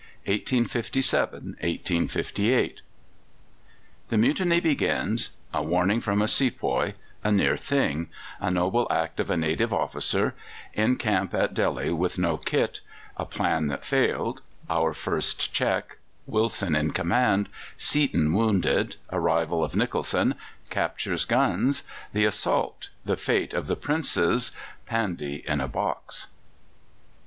CHAPTER X THE INDIAN MUTINY DELHI (1857 1858) The Mutiny begins A warning from a sepoy A near thing A noble act of a native officer In camp at Delhi with no kit A plan that failed Our first check Wilson in command Seaton wounded Arrival of Nicholson Captures guns The assault The fate of the Princes Pandy in a box.